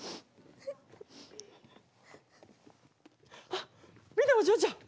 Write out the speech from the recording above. あっ見てお嬢ちゃん！